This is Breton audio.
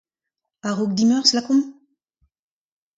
A-raok dimeurzh, lakaomp ?